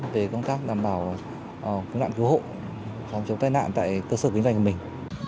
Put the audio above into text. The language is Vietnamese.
về công tác đảm bảo cứu nạn cứu hộ phòng chống tai nạn tại cơ sở kinh doanh của mình